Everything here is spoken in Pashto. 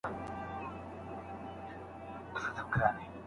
هغه وویل چي مقاله یې خلاصه کړه.